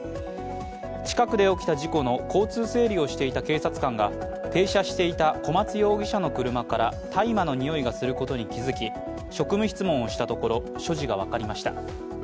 近くで起きた事故の交通整理をしていた警察官が停車していた小松容疑者の車から大麻の匂いがすることに気づき、職務質問をしたところ所持が分かりました。